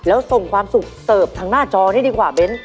แล้วส่งความสุขเสิร์ฟทางหน้าจอนี้ดีกว่าเบ้น